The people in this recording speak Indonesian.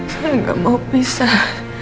saya gak mau pisah